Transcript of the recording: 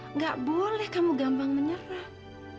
enggak boleh kamu gampang menyerah